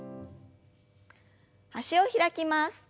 脚を開きます。